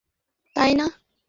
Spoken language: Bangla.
দেখানোর জন্য লিখছেন, তাই না?